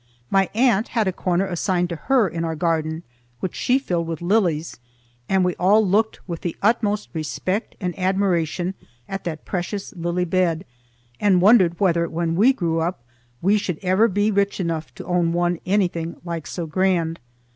My aunt had a corner assigned to her in our garden which she filled with lilies, and we all looked with the utmost respect and admiration at that precious lily bed and wondered whether when we grew up we should ever be rich enough to own one anything like so grand.